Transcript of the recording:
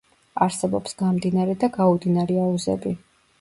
არსებობს გამდინარე და გაუდინარი აუზები.